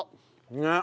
ねっ。